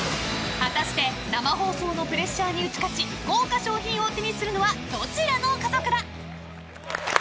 果たして生放送のプレッシャーに打ち勝ち豪華賞品を手にするのはどちらの家族だ！